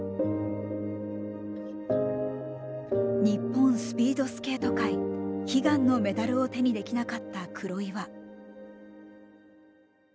日本スピードスケート界悲願のメダルを手にできなかった黒岩。